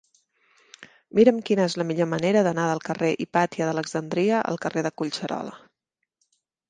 Mira'm quina és la millor manera d'anar del carrer d'Hipàtia d'Alexandria al carrer de Collserola.